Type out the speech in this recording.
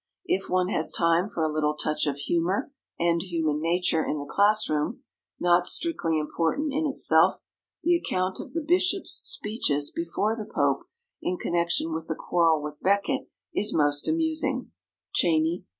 If one has time for a little touch of humor and human nature in the class room, not strictly important in itself, the account of the bishop's speeches before the pope, in connection with the quarrel with Becket, is most amusing (Cheyney, pp.